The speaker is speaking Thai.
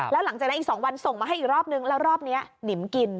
แล้วหลังจากนั้นอีก๒วันส่งมาให้อีกรอบนึงแล้วรอบนี้หนิมกิน